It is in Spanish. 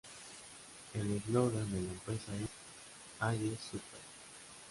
El eslogan de la empresa es "Alles super".